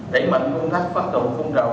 đẩy mạnh công tác phát động phong trào